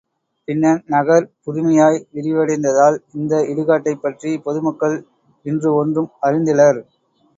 பின்னர் நகர் புதுமையாய் விரிவடைந்ததால், இந்த இடுகாட்டைப் பற்றிப் பொதுமக்கள் இன்று ஒன்றும் அறிந்திலர்.